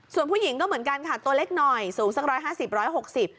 ส่วนผู้หญิงก็เหมือนกันค่ะตัวเล็กหน่อยสูงสัก๑๕๐๑๖๐ปี